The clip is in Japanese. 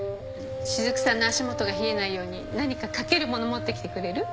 しずくさんの足元が冷えないように何か掛ける物持ってきてくれる？